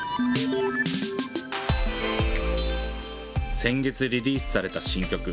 先月リリースされた新曲。